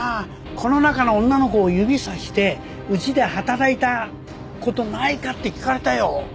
この中の女の子を指さしてうちで働いた事ないかって聞かれたよ。